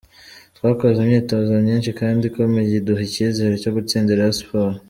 Twakoze imyitozo myinshi kandi ikomeye iduha icyizere cyo gutsinda Rayon Sport.